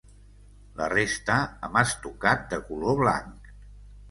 La resta amb estucat de color blanc.